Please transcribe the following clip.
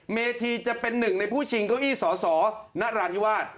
เมธีจะเป็นหนึ่งในผู้ชิงเก้าอี้สสนราธิวาส